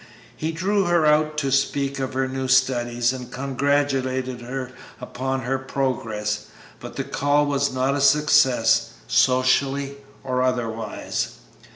He drew her out to speak of her new studies and congratulated her upon her progress; but the call was not a success, socially or otherwise.